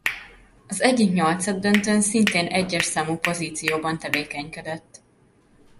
Az egyik nyolcaddöntőn szintén egyes számú pozícióban tevékenykedett.